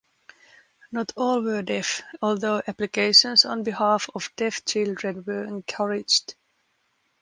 Not all were deaf, although applications on behalf of deaf children were encouraged.